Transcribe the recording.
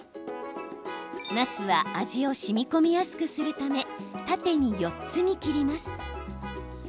なすは味をしみこみやすくするため縦に４つに切ります。